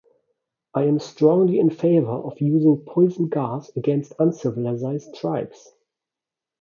I am strongly in favour of using poisoned gas against uncivilised tribes.